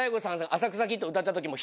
『浅草キッド』歌った時も。